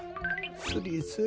スリスリ。